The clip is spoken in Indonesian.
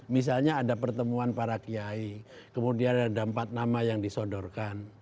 misalnya ada pertemuan para kiai kemudian ada empat nama yang disodorkan